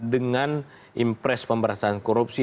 dengan impres pemberantasan korupsi